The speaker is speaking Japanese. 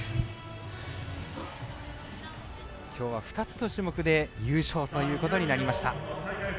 きょうは２つの種目で優勝ということになりました。